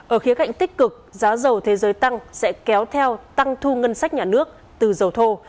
ở khía cạnh tích cực giá dầu thế giới tăng sẽ kéo theo tăng thu ngân sách nhà nước từ dầu thô